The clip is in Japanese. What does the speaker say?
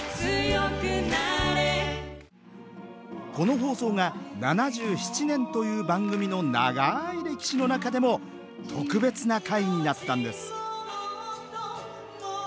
この放送が７７年という番組の長い歴史の中でも特別な回になったんです